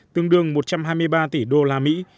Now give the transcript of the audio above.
tương đương một trăm hai mươi ba tỷ đô la mỹ